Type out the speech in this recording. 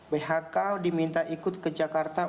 bhk diminta ikut ke jakarta